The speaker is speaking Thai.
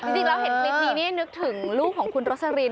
จริงแล้วเห็นคลิปนี้นี่นึกถึงลูกของคุณโรสลิน